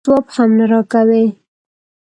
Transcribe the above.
اوس ځواب هم نه راکوې؟